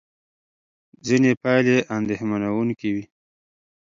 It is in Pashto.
ځینې پایلې اندېښمنوونکې وې.